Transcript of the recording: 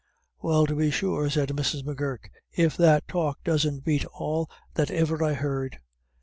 "Well tub be sure," said Mrs. M'Gurk, "if that talk doesn't bate all that iver I heard!